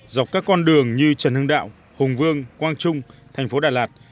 dọc các con đường như trần hưng đạo hùng vương quang trung thành phố đà lạt